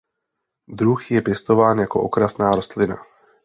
Druh je pěstován jako okrasná rostlina.